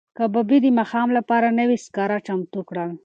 کبابي د ماښام لپاره نوي سکاره چمتو کړل.